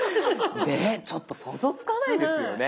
ちょっと想像つかないですよね。